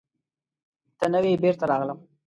ته نه وې، بېرته راغلم.